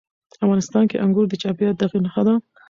افغانستان کې انګور د چاپېریال د تغیر نښه ده.